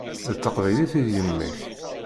D taqbaylit i d yemma-k.